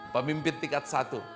pemimpin tingkat satu